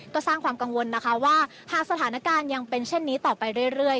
ก็สร้างความกังวลนะคะว่าหากสถานการณ์ยังเป็นเช่นนี้ต่อไปเรื่อย